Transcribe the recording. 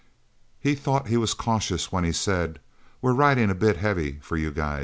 He thought he was cautious when he said, "We're riding a bit heavy for you guys..."